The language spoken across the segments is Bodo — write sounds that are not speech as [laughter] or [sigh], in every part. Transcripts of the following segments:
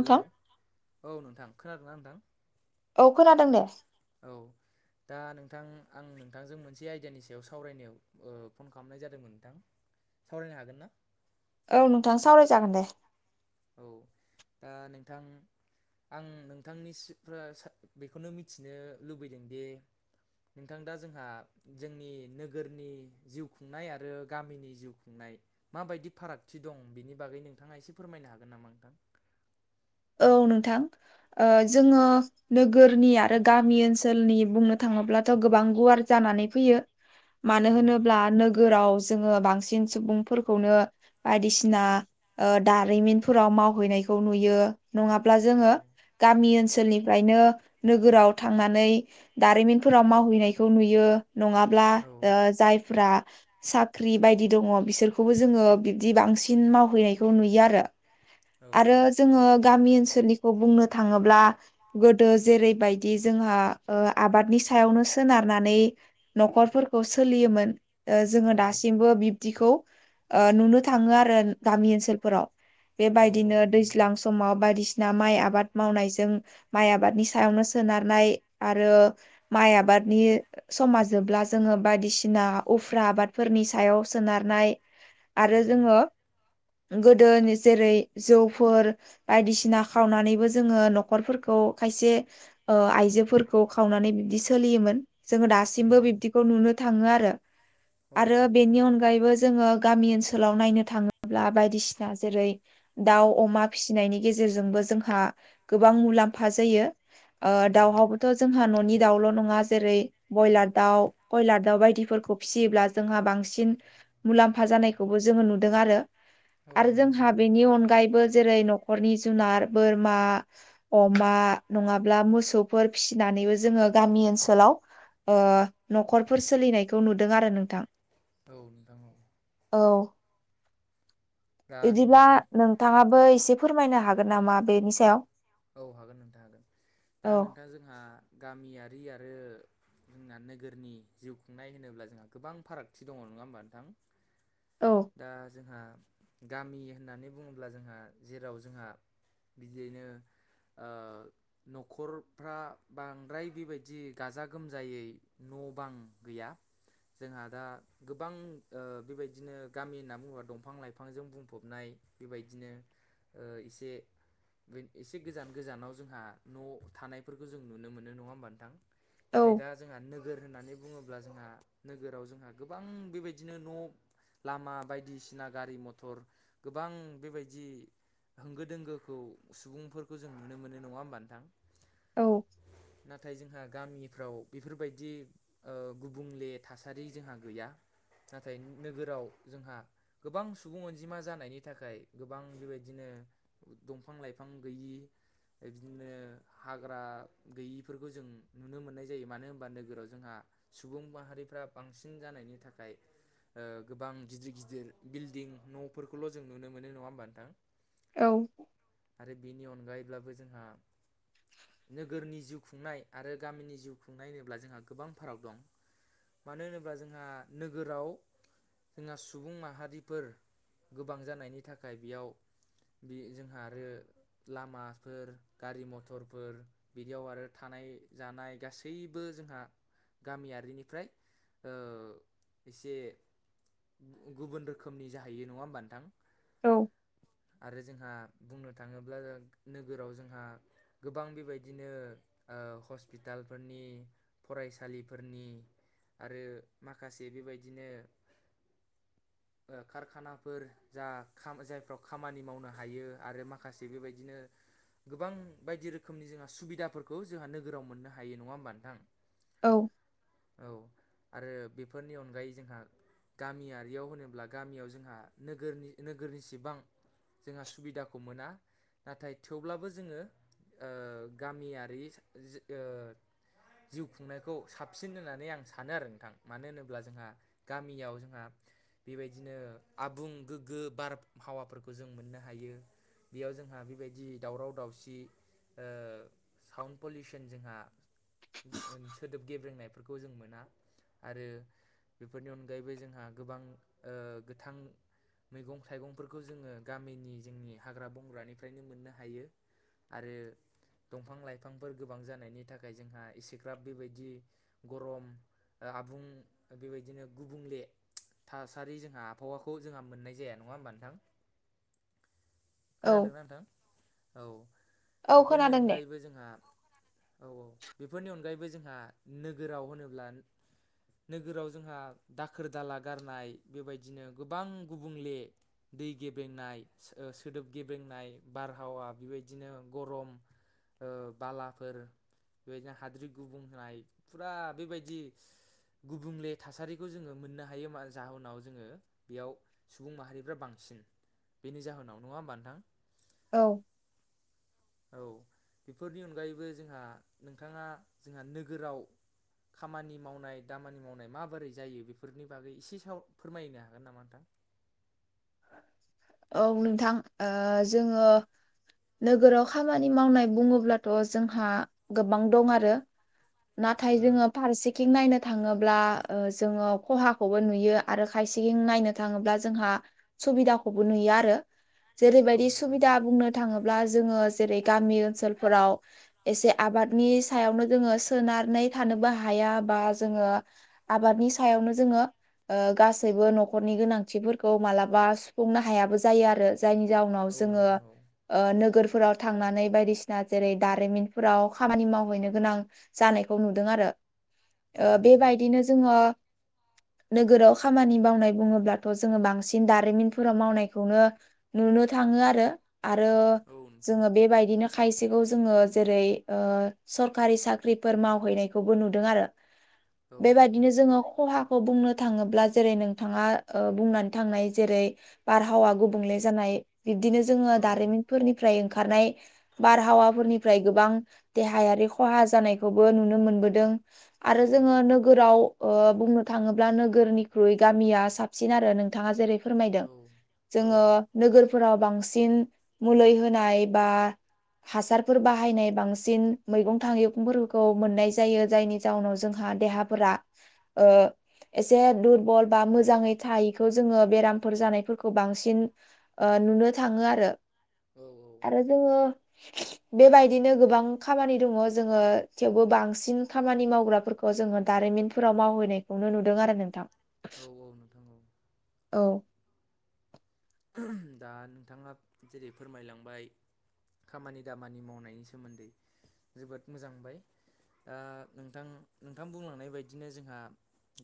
हेल' औ नोंथां। खोनादोंना नोंथां? औ खोनादों दे। औ। दा नोंथां आं नोंथांजों मोनसे आयदियानि सायाव सावरायनायाव ओ फन खालामनाय जादोंमोन नोंथां। सावरायनो हागोन ना? औ नोंथां सावरायजागोन दे। औ दा नोंथां आं नोंथांनि सिफ बेखौनो मिथि मिथिनो लुबैदों दि नोंथां दा जोंहा जोंनि नोगोरनि जिउ खुंनाय आरो गामिनि जिउ खुंनाय माबायदि फारागथि दं बिनि बागै नोंथाङा एसे फोरमायनो हागोन नामा नोंथां? औ नोंथां। ओ जोङो नोगोरनि आरो गामि ओनसोलनि बुंनो थाङोब्लाथ' गोबां गुवार जानानै फैयो। मानो औ होनोब्ला नोगोराव जोङो बांसिन सुबुंफोरखौनो बायदिसिना ओ दारिमिनफोराव मावहैनायखौ नुयो। नङाब्ला औ जोङो गामि ओनसोलनिफ्रायनो नोगोराव थांनानै दारिमिनफोराव मावहैनायखौ नुयो नङाब्ला औ ओ जायफ्रा साख्रि बायदि दङ बिसोरखौबो जोङो बिब्दि बांसिन मावहैनायखौ नुयो आरो। औ आरो जोङो गामि ओनसोलनिखौ बुंनो थाङोब्ला गोदो जेरैबायदि जोंहा ओ आबादनि सायावनो सोनारनानै न'खरफोरखौ सोलियोमोन। ओ जोङो औ दासिमबो बिब्दिखौ ओ नुनो थाङो आरो गामि ओनसोलफोराव। औ औ बेबायदिनो नोंथां औ दैज्लां समाव बायदिसिना माइ आबाद मावनायजों माइ आबादनि सायावनो सोनारनाय आरो माइ आबादनि समा जोबब्ला जोङो बायदिसिना उफ्रा आबादफोरनि सायाव सोनारनाय आरो औ जोङो गोदोनि जेरै जौफोर बायदिसिना खावनानैबो जोङो न'खरफोरखौ खायसे ओ आइजोफोरखौ खावनानै बिब्दि सोलियोमोन। जोङो दासिमबो उम बिब्दिखौ नुनो थाङो आरो। औ आरो औ औ बेनि अनगायैबो जोङो गामि ओनसोलाव नायनो थाङोब्ला बायदिसिना जेरै दाव अमा फि गेजेरजोंबो जोंहा गोबां मुलाम्फा जायो। ओ उम दवाबोथ' जोंहा न'नि दाउल' नङा जेरै बयलार दाउ, कयलार दाउ बायदिफोरखौ फिसियोब्ला जोंहा बांसिन मुलाम फा जानायखौबो जोङो नुदों आरो। औ आरो नोंथां औ जोंहा बेनि अनगायैबो जेरै नख'रनि जुनार बोरमा अमा नङाब्ला मोसौफोर फिसिनानैबो जोङो गामि ओनसोलाव ओ न'खरफोर सोलिनायखौ नुदों आरो नोंथां। औ नोंथां औ औ। दा इदिब्ला नोंथां नोंथाङाबो एसे फोरमायनो हागोन नामा बेनि सायाव? औ हागोन नोंथां हागोन। औ दा नोंथाङा जोंहा गामियारि आरो जोंना नोगोरनि जिउ खुंनाय होनोब्ला जोंहा गोबां फारागथि दङ नङा होमबा नोंथां? औ। दा जोंहा गामि होननानै बुङोब्ला जोंहा जेराव जोंहा बिदियैनो ओ न'खरफ्रा बांद्राय बेबायदि गाजा गोमजायै न' बां गैया। जोंहा दा गोबां ओ बेबायदिनो गामि होनना बुङोबा दंफां लाइफांजों बुंफबनाय बेबायदिनो ओ एसे बे एसे गोजान गोजानाव जोंहा न' थानायफोरखौ जों नुनो मोनो नङा होमबा नोंथां? औ नाथाय दा जोंहा नोगोर होननानै बुङोब्ला जोंहा नोगोराव जोंहा गोबां बेबायदिनो न' लामा बायदिसिना गारि मथ'र गोबां बेबायदि होंगो दोंगोखौ सुबुंफोरखौ जों नुनो मोनो नङा होमब नोंथां? औ नाथाय जोंहा गामिफ्राव बेफोरबायदि ओ गुबुंले थासारि जोंहा गैया नाथाय नोगोराव जोंहा गोबां सुबुं अनजिमा जानायनि थाखाय गोबां बेबायदिनो दंफां-लाइफां गैयि बिदिनो हाग्रा गैयिफोरखौ जों नुनो मोननाय जायो मानो होनबा नोगोराव जोंहा सुबुं माहारिफ्रा बांसिन जानायनि थाखाय ओ गोबां गिदिर गिदिर बिल्डिं न'फोरखौल' जों नुनो मोनो नङा होमबा नोंथां औ आरो बिनि अनगायैब्लाबो जोंहा नोगोरनि जिउ खुंनाय आरो गामिनि जिउ खुंनाय होनोब्ला जोंहा गोबां फाराग दं। मानो होनोब्ला जोंहा नोगोराव जोंहा सुबुं माहारिफोर गोबां जानायनि थाखाय बेयाव बे जोंहा आरो लामाफोर गारि मथरफोर बिदियाव आरो थानाय जानाय गासैबो जोंहा गामियारिनिफ्राय ओ एसे गुबुन रोखोमनि जाहैयो नङा होमबा नोंथां। औ आरो जोंहा बुंनो थाङोब्ला नोगोराव जोंहा गोबां बेबायदिनो ओ हस्पिटालफोरनि फरायसालिफोरनि आरो माखासे बेबायदिनो ओ कारखानाफोर जा खा जायफ्राव खामानि मावनो हायो आरो माखासे बेबायदिनो गोबां बायदि रोखोमनि जोंहा सुबिदाफोरखौ जोंहा नोगोराव मोननो हायो नङा होमबा नोंथां। औ औ आरो बेफोरनि अनगायै जोंहा गामियारियाव होनोब्ला गामियाव जोंहा नोगोरनि नोगोरनि सिबां जोंहा सुबिदाखौ मोना नाथाय थेवब्लाबो जोङो ओ गामियारि जि ओ जिउ खुंनायखौ साबसिन होननानै आं सानो आरो नोंथां मानो होनोब्ला जोंहा गामियाव जोंहा बेबायदिनो आबुं गोग्गो बारहावाफोरखौ जों मोननो हायो। बेयाव जोंहा बेबायदि दावराव दावसि ओ साउन्ड पलिउसन जोंहा सोदोब गेब्रेंनायफोरखौ जों मोना आरो बेफोरनि अनगायैबो जों हां गोबां ओ गोथां मैगं-थाइगंफोरखौ जोङो गामिनि जोंनि हाग्रा बंग्रानिफ्रायनो मोननो हायो। आरो दंफां-लाइफांफोर गोबां जानायनि थाखाय जोंहा एसेग्राब बेबायदि गरम आबुं बेबायदिनो गुबुंले थासारि जोंहा आबहावाखौ जोंहा मोननाय जाया नङा होमबा नोंथां। औ खोनादोंना नोंथां औ औ बेफोरनि खोनादों दे अनगायैबो जोंहा औ औ बेफोरनि अनगायैबो जोंहा नोगोराव होनोब्ला नोगोराव जोंहा दाखोर-दाला गारनाय बेबायदिनो गोबां गुबुंले दै गेब्लेंनाय सो ओ सोदोब गेब्रेंनाय बारहावा बेबायदिनो गरम ओ बालाफोर बेबायदिनो हाद्रि गुबुं होनाय फुरा बेबायदि गुबुंले थासारिखौ जोङो मोननो हा हायो जाहोनाव जोङो बेयाव सुबुं माहारिफ्रा बांसिन बेनि जाहोनाव नङा होमबा नोंथां औ [unintelligible] औ बेफोरनि अनगायैबो जोंहा नोंथाङा जोंहा नोगोराव खामानि मावनाय दामानि मावनाय माबोरै जायो बेफोरनि बागै एसे साव फोरमायनो हागोन नामा नोंथां। औ नोंथां ओ जोङो नोगोराव खामानि मावनाय बुङोब्लाथ' जोंहा गोबां दं आरो नाथाय ओ जोङो फारसे थिं नायनो थाङोब्ला ओ जोङो खहाखौबो नुयो आरो खायसें नायनो थाङोब्ला जोंहा सुबिदाखौबो नुयो आरो औ जेरैबायदि नोंथां औ सुबिदा बुंनो थाङोब्ला जोङो जेरै गामि ओनसोलफोराव एसे आबादनि सायावनो जोङो सोनानै थानोबो हाया बा जोङो आबादनि सायावनो जोङो ओ गासैबो न'खरनि गोनांथिफोरखौ मालाबा बुंनो हायाबो जायो आरो जायनि जाउनाव औ जोङो नोंथां औ ओ नोगोरफोराव थांनानै बायदिसिना जेरै दारिमिनफोराव खामानि मावहैनो गोनां जानायखौ नुदों आरो औ ओ नोंथां औ बेबायदिनो जोङो नोगोराव खामानि मावनाय बुङोब्लाथ' जोङो बांसिन दारिमिन फोराव मावनायखौनो नुनो थाङो आरो आरो औ नोंथां औ जोङो बेबायदिनो खायसेखौ जोङो जेरै ओ सरखारि साख्रिफोर मावहैनायखौबो नुदों आरो आरो बेबायदिनो जोङो खहाखौ बुंनो थाङोब्ला जेरै नोंथाङा ओ बुंनानै थांनाय जेरै बारहावा गुबुंले जानाय बिबदिनो जोङो दारिमिनफोरनिफ्राय ओंखारनाय बारहावाफोरनिफ्राय गोबां देहायारि खहा जानायखौबो नुनो मोनबोदों आरो जोङो नोगोराव ऐ बुंनो थाङोब्ला नोगोरनिख्रुइ गामिया साबसिन आरो नोंथाङा जेरै फोरमायदों औ जोङो नोगोरफोराव बांसिन मुलि होनाय बा हासारफोर बाहायनाय बांसिन मैगं थाइैगंफोरखौ मोननाय जायो जायनि जाउनाव जोंहा देहा फोरा ओ एसे दुरबल बा मोजाङै थायैखौ जोङो बेरामफोर जानाय फोरखौ बांसिन ओ नुनो थाङो आरो औ औ आरो जोङो [inaudible] बेबायदिनो गोबां खामानि दङ जोङो थेवबो बांसिन खामानि मावग्राफोरखौ खौ जोङो दारिमिनफोराव मावहैनायखौनो नुदों आरो नोंथां। औ औ नोंथां औ औ दा नोंथाङा जेरै फोरमायलांबाय खामानि दामानि मावनायनि सोमोन्दै जोबोद मोजांमोनबाय ओ नोंथां नोंथां बुंलांनाय बदिनो जोंहा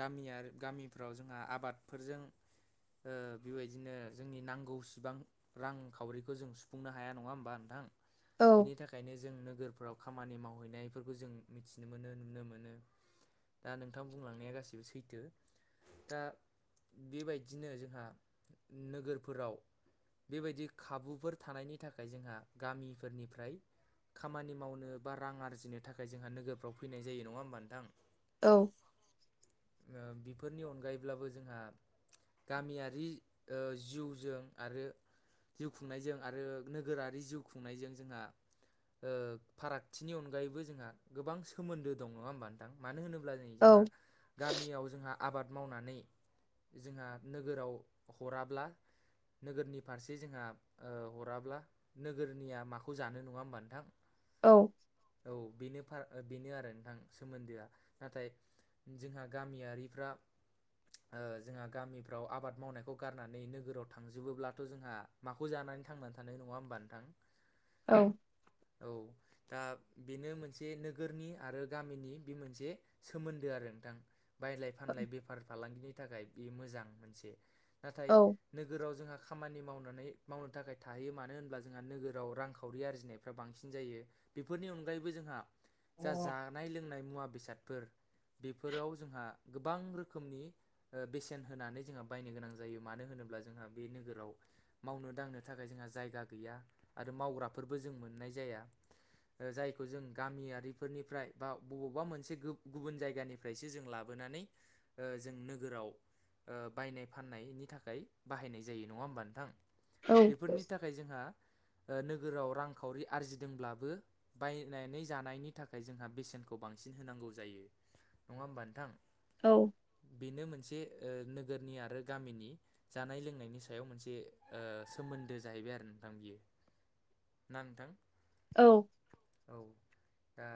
गामियारि गामिफ्राव जोंहा आबादफोरजों ओ बेबायदिनो जोंनि नांगौ सिबां रांखावरिखौ जों सुफुंनो हाया नङा होमबा नोंथां औ बेनि थाखाय बेखायनो जों नोगोरफोराव खामानि मावहैनायफोरखौ जों मिथिनो मोनो नुनो मोनो। दा नोंथां बुंलांनाया गासिबो सैथो। दा बेबायदिनो जोंहा नोगोरफोराव बेबायदि खाबुफोर थानायनि थाखाय जोंहा गामिफोरनिफ्राय खामानि मावनो बा रां आरजिनो थाखाय जोंहा नोगोरफ्राव फैनाय जायो नङा होमबा नोंथां। औ ओ बेफोरनि अनगायैब्लाबो जोंहा गामियारि ओ जिउजों आरो जिउ खुंनायजों आरो नोगोरारि जिउ खुंनायजों जोंहा ओ फारागथिनि अनगायैबो जोंहा गोबां सोमोन्दो दं नङा होमबा थां मानो होनोब्ला नै जोंहा औ गामियाव जोंहा आबाद मावनानै जोंहा नोगोराव हराब्ला नोगोरनि फारसे जोंहा ओ हराब्ला नोगोरनिया माखौ जानो नङा होमबा नोंथां? औ। औ बेनो फार बेनो आरो नोंथां सोमोन्दोआ। नाथाय जोंहा गामियारिफ्रा ओ जोंहा गामिफ्राव आबाद मावनायखौ गारनानै नोगोराव थांजोबोब्लाथ' जोंहा माखौ जानानै थांनानै थानाय नङा होमबा नोंथां? औ। औ दा बेनो मोनसे नोगोरनि आरो गामिनि बे मोनसे सोमोन्दो आरो नोंथां। बायलाय फानलाय बेफार फालांगिनि थाखाय बे मोजां मोनसे। नाथाय औ नोगोराव जोंहा खामानि मावनानै मावनो थाखाय थाहैयो मानो होनब्ला जोंहा नोगोराव रांखावरि आरजिनाय फ्रा बांसिन जायो। बेफोरनि अनगायैबो जोंहा जा जानाय लोंनाय मुवा बेसादफोर बेफोराव जोंहा गोबां रोखोमनि ओ बेसेन होनानै जोंहा बायनो गोनां जायो, मानो होनोब्ला जोंहा बे नोगोराव मावनो दांनो थाखाय जोंहा जायगा गैया आरो मावग्राफोरबो जों मोननाय जाया। ओ जायखौ जों गामियारिफोरनिफ्राय बा बबावबा मोनसे गु-गुबुन जायगानिफ्राय फ्रायसो जों लाबोनानै ओ जों नोगोराव ओ बायनाय फा फाननायनि थाखाय बाहायनाय जायो नङा होमबा नोंथां? औ बेफोरनि थाखाय जोंहा ओ नोगोराव रांखावरि आरजिदोंब्लाबो बायनानै जानायनि थाखाय जोंहा बेसेनखौ बांसिन होनांगौ जायो। नङा होमबा नोंथां? औ। बेनो मोनसे ओ नोगोरनि आरो गामिनि जानाय लोंनायनि सायाव मोनसे ओ सोमोन्दो जाहैबाय आरो नोंथां बियो। ना नोंथां? औ। [unintelligible] औ। दा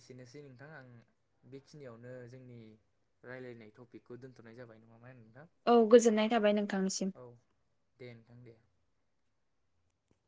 एसेनोसै नोंथां। आं बेखिनियावनो जोंनि रायलायनाय टपिकखौ दोनथ'नाय जाबाय नङा मा होनो नोंथां। औ गोजोननाय थाबाय नोंथांनिसिम। औ दे नोंथां दे।